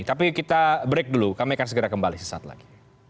tapi kita break dulu kami akan segera kembali sesaat lagi